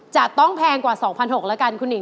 จะต้องแพงกว่า๒๖๐๐บาทแล้วกันคุณอิ่ง